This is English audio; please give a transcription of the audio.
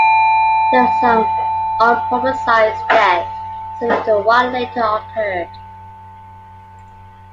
There were some unpublicized deaths similar to what later occurred.